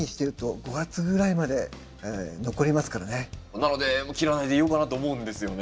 なので切らないでいようかなと思うんですよね。